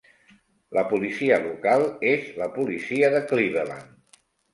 La policia local es la policia de Cleveland.